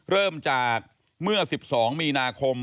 เริ่มจากเมื่อ๑๒มีนาคม